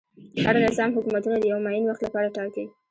هر نظام حکومتونه د یوه معین وخت لپاره ټاکي.